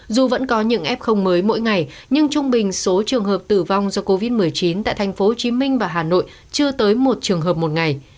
dù vẫn có những f mới mỗi ngày nhưng trung bình số trường hợp tử vong do covid một mươi chín tại tp hcm và hà nội chưa tới một trường hợp một ngày